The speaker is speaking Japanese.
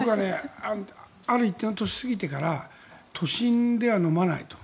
ある一定の年過ぎてから都心では飲まないと。